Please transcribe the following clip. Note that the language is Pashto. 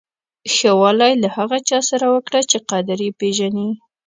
ښه والی له هغه چا سره وکړه چې قدر یې پیژني.